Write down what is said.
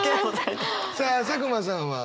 さあ佐久間さんは。